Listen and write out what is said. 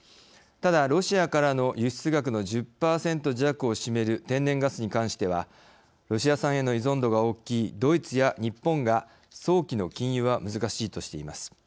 ただ、ロシアからの輸出額の１０％弱を占める天然ガスに関してはロシア産への依存度が大きいドイツや日本が早期の禁輸は難しいとしています。